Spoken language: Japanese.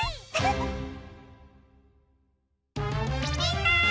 みんな！